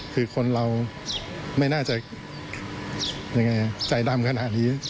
คือคนเราไม่น่าจะยังไงใจดำขนาดนี้